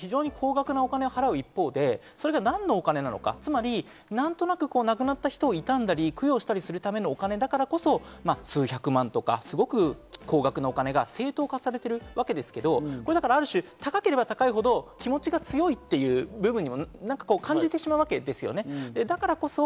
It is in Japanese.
非常に高額なお金を払う一方で、それが何のお金なのか、何となく亡くなった人を悼んだり、供養したりするためのお金だからこそ、数百万とか高額なお金が正当化されてるわけですけど、高ければ高いほど気持ちが強いっていう部分にも感じてしまうわけですよね。